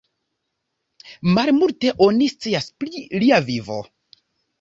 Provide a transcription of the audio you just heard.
Malmulte oni scias pri lia vivo.